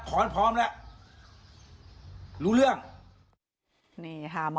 ขอนพร้อมแล้วรู้เรื่องนี่ค่ะหมอ